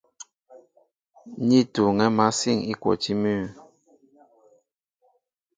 Ní tuuŋɛ̄ másîn îkwotí mʉ́ʉ́.